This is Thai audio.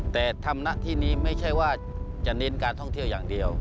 แต่ทำหน้าที่นี้ไม่ใช่ว่าจะเน้นการท่องเที่ยวอย่างเดียว